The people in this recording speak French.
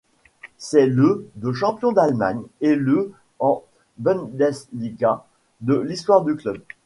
C'est le de champion d'Allemagne et le en Bundesliga de l'histoire du club.